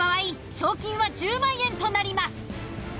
賞金は１０万円となります。